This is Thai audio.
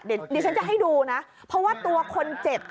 เดี๋ยวดิฉันจะให้ดูนะเพราะว่าตัวคนเจ็บ